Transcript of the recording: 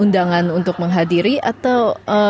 undangan untuk menghadiri atau